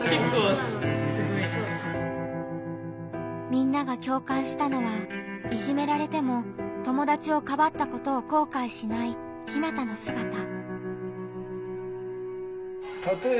みんなが共感したのはいじめられても友達をかばったことを後悔しないひなたのすがた。